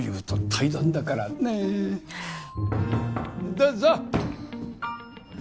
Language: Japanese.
どうぞ。